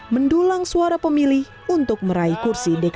mendulang suara pemilih untuk meraih kursi dki